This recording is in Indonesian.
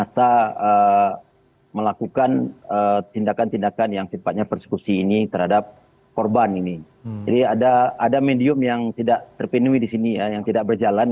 subtitle kondisi dura tiga bersmoteri tu bahasa lihamda nahi tesu tali sebetulnya